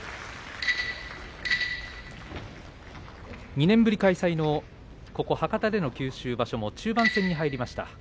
２年ぶり開催のここ博多での九州場所も中盤戦に入りました。